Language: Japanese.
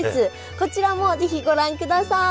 こちらも是非ご覧ください。